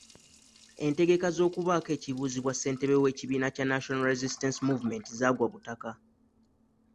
Entegeka z'okubaako ekibuuzibwa Ssentebe w'ekibiina kya National Resistance Movement zaagwa butaka.